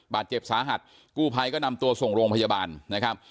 บาดเจ็บสาหัสกู้ภัยก็นำตัวส่งโรงพยาบาลนะครับ